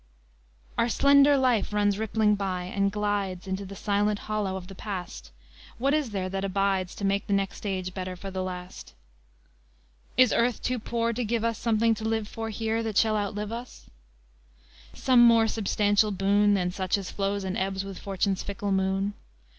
IV Our slender life runs rippling by, and glides Into the silent hollow of the past; What is there that abides To make the next age better for the last? Is earth too poor to give us Something to live for here that shall outlive us? Some more substantial boon Than such as flows and ebbs with Fortune's fickle moon?